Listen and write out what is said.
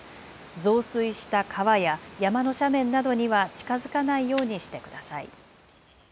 増水した川や山の斜面などには近づかないようにしてください。